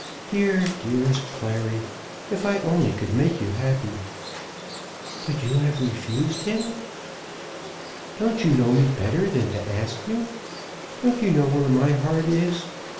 Dear, dearest Clary, if I only could make you happy." "But you have refused him?" "Don't you know me better than to ask me? Don't you know where my heart is?